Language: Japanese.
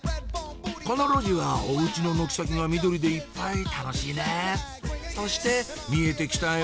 この路地はおうちの軒先が緑でいっぱい楽しいねそして見えてきたよ